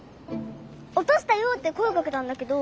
「おとしたよ」ってこえかけたんだけど。